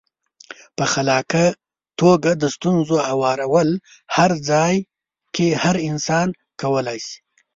په خلاقه توګه د ستونزو هوارول هر ځای کې هر انسان کولای شي.